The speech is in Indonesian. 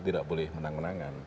tidak boleh menang menangan